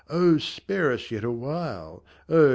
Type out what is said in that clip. O ! spare us yet awhile ! Oh